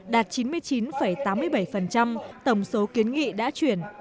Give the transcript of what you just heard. đạt chín mươi chín tám mươi bảy tổng số kiến nghị đã chuyển